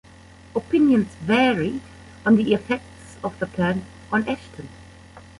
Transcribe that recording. Opinions vary on the effects of the plan on Ashton.